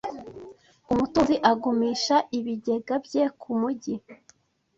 umutunzi agumisha ibigega bye kumugi